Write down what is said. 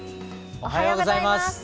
おはようございます。